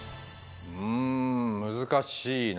うん難しいな。